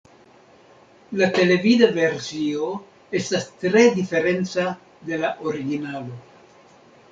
La televida versio estas tre diferenca de la originalo.